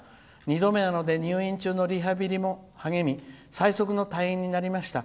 ２度目なので入院中のリハビリにも励み最速の退院になりました。